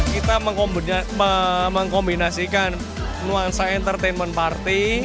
kita mengkombinasikan nuansa entertainment party